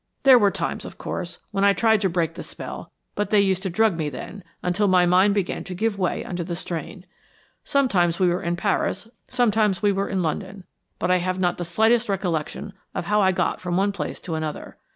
There were times, of course, when I tried to break the spell, but they used to drug me then, until my mind began to give way under the strain. Sometimes we were in Paris, sometimes we were in London, but I have not the slightest recollection of how I got from one place to another.